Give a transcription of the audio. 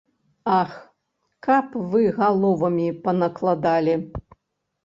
Ах, каб вы галовамі панакладалі!